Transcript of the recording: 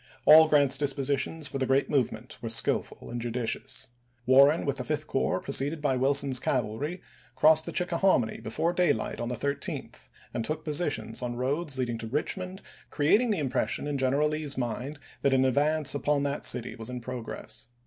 All Grant's dispositions for the great movement were skillful and judicious. Warren, with the Fifth Corps, preceded by Wilson's cavalry, crossed the June, 1864. Chickahominy before daylight on the 13th, and took positions on roads leading to Eichmond, creating the impression in General Lee's mind that an advance upon that city was in progress.